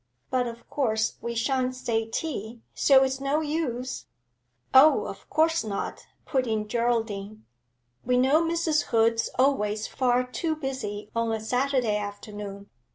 But of course we shan't stay tea, so it's no use ' 'Oh, of course not,' put in Geraldine. 'We know Mrs. Hood's always far too busy on a Saturday afternoon.